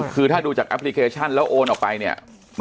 คือถ้าดูจากแอปพลิเคชันแล้วโอนออกไปเนี่ย